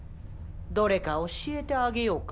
どれか教えてあげようか？